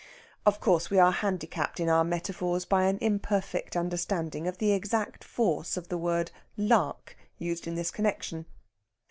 Of course, we are handicapped in our metaphors by an imperfect understanding of the exact force of the word "lark" used in this connexion.